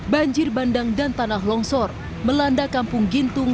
banjir bandang dan tanah longsor melanda kampung gintung